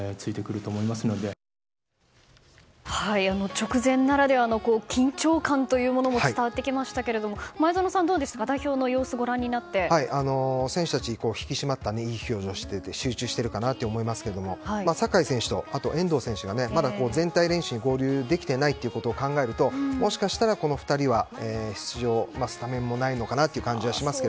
直前ならではの緊張感も伝わってきましたけれども前園さん、どうですか選手たち引き締まったいい表情をしていて集中しているかなと思いますけど酒井選手と遠藤選手がまだ全体練習に合流できていないということを考えるともしかしたら、この２人は出場スタメンもないのかなという感じもしますが。